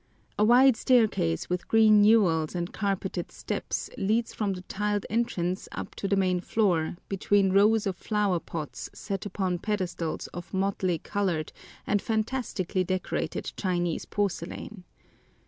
A wide staircase with green newels and carpeted steps leads from the tiled entrance up to the main floor between rows of flower pots set upon pedestals of motley colored and fantastically decorated Chinese porcelain.